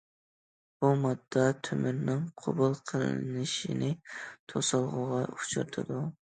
بۇ ماددا تۆمۈرنىڭ قوبۇل قىلىنىشىنى توسالغۇغا ئۇچرىتىدۇ.